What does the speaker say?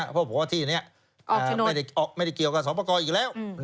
เพราะพูดว่าที่นี้ออกไม่ได้เกี่ยวกับสปกอีกแล้ว